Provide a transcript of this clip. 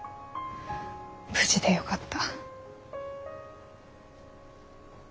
無事でよかった。